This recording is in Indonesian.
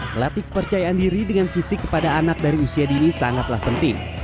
melatih kepercayaan diri dengan fisik kepada anak dari usia dini sangatlah penting